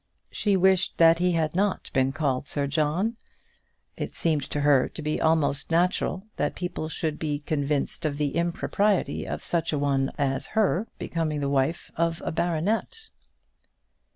She wished that he had not been called Sir John. It seemed to her to be almost natural that people should be convinced of the impropriety of such a one as her becoming the wife of a baronet.